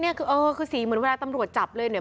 เออคือสีเหมือนเวลาตำรวจจับเลยเนี่ย